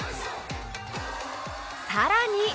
さらに！